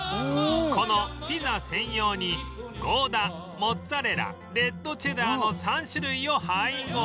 このピザ専用にゴーダモッツァレラレッドチェダーの３種類を配合